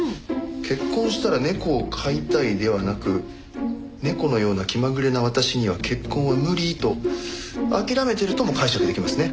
結婚したら猫を飼いたいではなく猫のような気まぐれな私には結婚は無理と諦めてるとも解釈出来ますね。